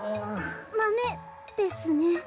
マメですね。